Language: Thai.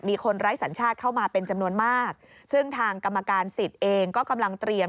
คนไร้สัญชาติเข้ามาเป็นจำนวนมากซึ่งทางกรรมการสิทธิ์เองก็กำลังเตรียม